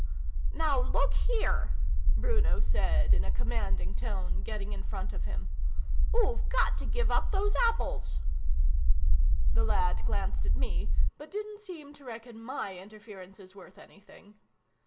" Now, look here !" Bruno said in a com manding tone, getting in front of him. " Oo've got to give up those apples !" The lad glanced at me, but didn't seem to reckon my interference as worth anything.